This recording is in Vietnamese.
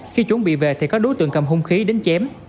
khi chuẩn bị về thì các đối tượng cầm hung khí đến chém